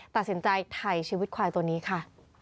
ตัดสินใจถ่ายชีวิตควายตัวนี้ค่ะ